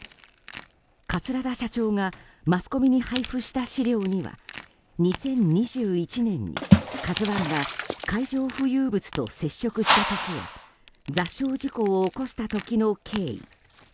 桂田社長がマスコミに配布した資料には２０２１年に「ＫＡＺＵ１」が海上浮遊物と接触した時に座礁事故を起こした時の経緯